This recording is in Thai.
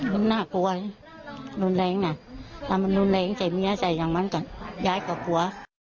มันน่ากลัวรุนแรงจัยแม่ม้าียรักย้ายกับกลัว